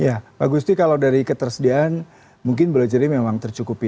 ya pak gusti kalau dari ketersediaan mungkin boleh jadi memang tercukupi